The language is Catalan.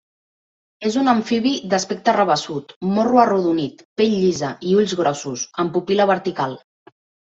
És un amfibi d'aspecte rabassut, morro arrodonit, pell llisa i ulls grossos, amb pupil·la vertical.